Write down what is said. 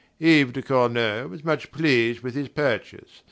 Yves de Cornault was much pleased with his purchase.